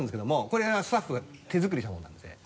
これスタッフが手作りしたものなんですね。